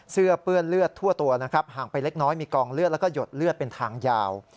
เปื้อนเลือดทั่วตัวนะครับห่างไปเล็กน้อยมีกองเลือดแล้วก็หยดเลือดเป็นทางยาว